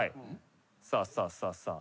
さあさあさあさあ。